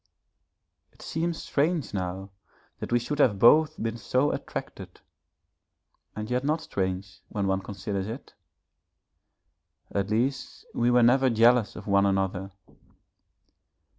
It seems strange now that we should have both been so attracted, and yet not strange when one considers it. At least we were never jealous of one another.